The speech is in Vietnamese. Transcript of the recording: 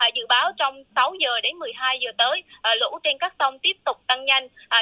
dự báo trong sáu h một mươi hai h tới lũ trên các sông tiếp tục tăng nhanh